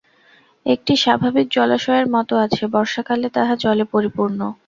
একটি স্বাভাবিক জলাশয়ের মতো আছে, বর্ষাকালে তাহা জলে পরিপূর্ণ।